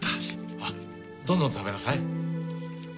あっどんどん食べなさい。